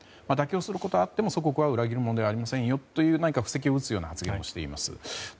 妥協することはあっても、祖国を裏切るものではありませんよと何か布石を打つような発言をしています。